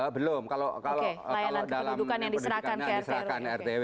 belum kalau dalam pendidikan yang diserahkan ke rtw